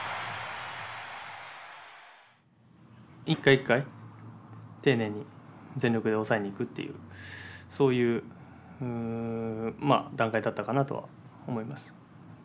一回一回丁寧に全力で抑えにいくっていうそういう段階だったかなとは思います。